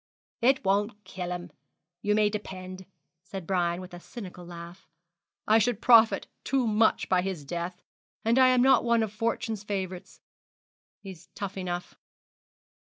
'It won't kill him, you may depend,' said Brian, with a cynical laugh; 'I should profit too much by his death: and I'm not one of fortune's favourites. He's tough enough.'